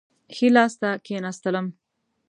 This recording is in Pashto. ښي لاس ته کښېنستلم.